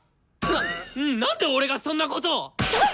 なっなんで俺がそんなことっ！？